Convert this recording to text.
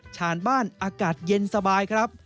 ฉานบ้านอากาศเย็นสบายครับ